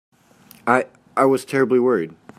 I—I was terribly worried.